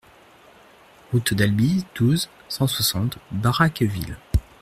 Route d'Albi, douze, cent soixante Baraqueville